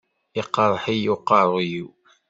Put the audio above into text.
Iqreḥ-iyi uqerruy-iw.